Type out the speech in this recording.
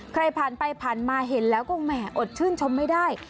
ใครผ่านไปผ่านมาเห็นแล้วก็แหมอดชื่นชมไม่ได้